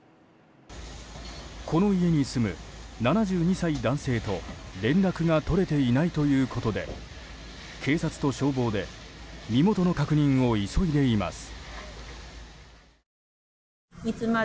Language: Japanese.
この家に住む７２歳男性と連絡が取れていないということで警察と消防で身元の確認を急いでいます。